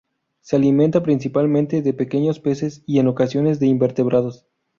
Se alimenta principalmente de pequeños peces y en ocasiones de invertebrados.